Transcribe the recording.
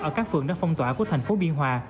ở các phường đã phong tỏa của thành phố biên hòa